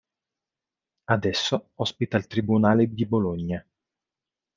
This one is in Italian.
Adesso ospita il Tribunale di Bologna.